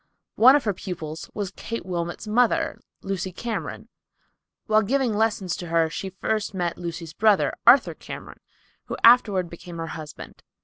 One of her pupils was Kate Wilmot's mother, Lucy Cameron. While giving lessons to her she first met Lucy's brother, Arthur Cameron, who afterward became her husband.